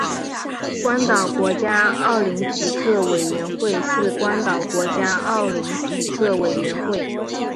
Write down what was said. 关岛国家奥林匹克委员会是关岛的国家奥林匹克委员会。